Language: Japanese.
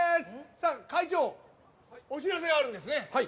会長、お知らせがあるんですね。